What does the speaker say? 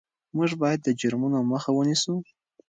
موږ باید د جرمونو مخه ونیسو.